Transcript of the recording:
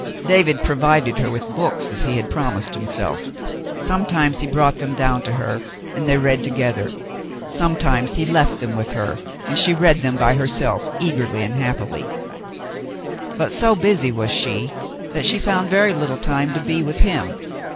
David provided her with books, as he had promised himself. Sometimes he brought them down to her, and they read together ; sometimes he left them with her and she read them by herself eagerly and happily; but so busy was she that she found very little time to be with him.